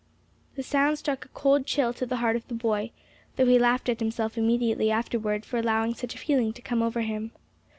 The sound struck a cold chill to the heart of the boy, though he laughed at himself immediately afterward for allowing such a feeling to come over him.